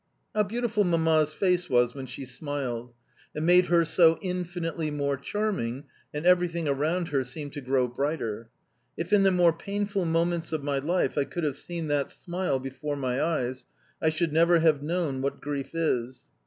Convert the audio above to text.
How beautiful Mamma's face was when she smiled! It made her so infinitely more charming, and everything around her seemed to grow brighter! If in the more painful moments of my life I could have seen that smile before my eyes, I should never have known what grief is.